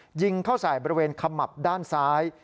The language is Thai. ยิงเข้าใส่บริเวณขมับด้านซ้าย